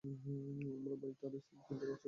আমার ভাই, তার স্ত্রী ও তিনটা বাচ্চা, সবাই।